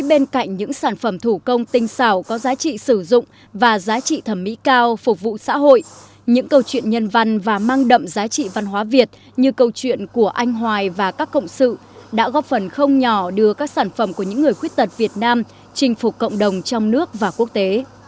bên cạnh những sản phẩm thủ công tinh xảo có giá trị sử dụng và giá trị thẩm mỹ cao phục vụ xã hội những câu chuyện nhân văn và mang đậm giá trị văn hóa việt như câu chuyện của anh hoài và các cộng sự đã góp phần không nhỏ đưa các sản phẩm của những người khuyết tật việt nam chinh phục cộng đồng trong nước và quốc tế